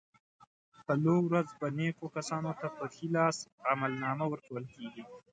په لو ورځ به نېکو کسانو ته په ښي لاس عملنامه ورکول کېږي.